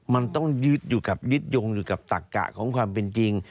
มันต้องยึดอยู่กับยึดยงอยู่กับตักกะของความเป็นจริง